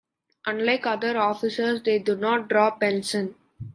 Unlike other officers, they do not draw a pension.